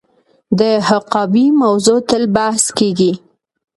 د حقابې موضوع تل بحث کیږي.